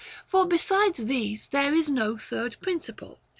For besides these there is no third principle.